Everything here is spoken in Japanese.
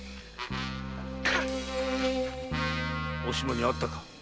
お島に会ったか？